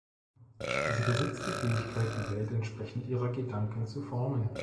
Sie besitzt die Fähigkeit die Welt entsprechend ihrer Gedanken zu formen.